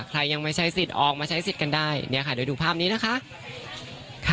ใครยังไม่ใช้สิทธิ์ออกมาใช้สิทธิ์กันได้เนี่ยค่ะเดี๋ยวดูภาพนี้นะคะ